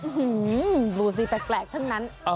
อื้อหือรู้สิแปลกทั้งนั้น